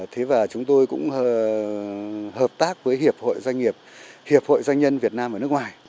thế và chúng tôi cũng hợp tác với hiệp hội doanh nghiệp hiệp hội doanh nhân việt nam ở nước ngoài